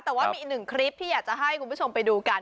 แต่ว่ามีอีกหนึ่งคลิปที่อยากจะให้คุณผู้ชมไปดูกัน